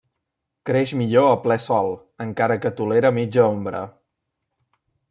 Creix millor a ple sol, encara que tolera mitja ombra.